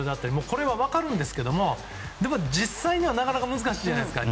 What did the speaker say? これは分かるんですが実際になかなか難しいじゃないですか。